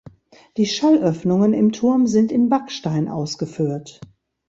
Die Schallöffnungen im Turm sind in Backstein ausgeführt.